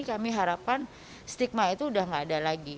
kami harapan stigma itu udah gak ada lagi